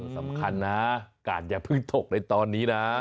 สำคัญนะกาดอย่าเพิ่งตกในตอนนี้นะ